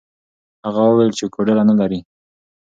هغه وویل چې کوډله نه لري.